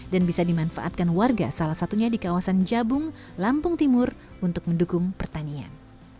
dan bisa dimanfaatkan warga salah satunya di kawasan jabung lampung timur untuk mendukung pertanian